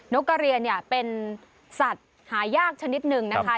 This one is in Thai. กกระเรียนเนี่ยเป็นสัตว์หายากชนิดหนึ่งนะคะ